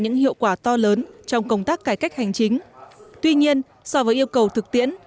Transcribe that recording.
những hiệu quả to lớn trong công tác cải cách hành chính tuy nhiên so với yêu cầu thực tiễn